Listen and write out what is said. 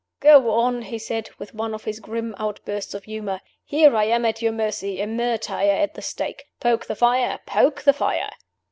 "Go on," he said, with one of his grim outbursts of humor. "Here I am at your mercy a martyr at the stake. Poke the fire! poke the fire!"